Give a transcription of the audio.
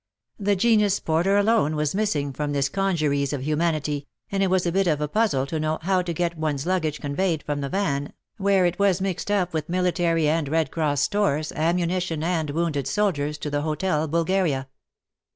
The genus porter alone was missing from this congeries of humanity, and it was a bit of a puzzle to know how to get one's luggage conveyed from the van, where it was mixed up with military and Red Cross stores, ammunition and wounded soldiers, to the Hotel Bulgaria.